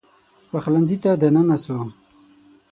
پخلنځي ته دننه سو